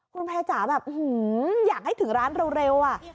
คุณแพร่จ๋าแบบอยากให้ถึงร้านเร็วอะ